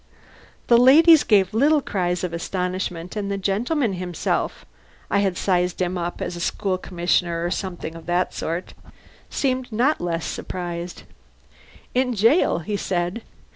The ladies gave little cries of astonishment, and the gentleman himself (I had sized him up as a school commissioner or something of that sort) seemed not less surprised. "In jail!" he said.